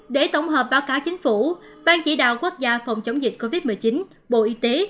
để tổng hợp báo cáo chính phủ ban chỉ đạo quốc gia phòng chống dịch covid một mươi chín bộ y tế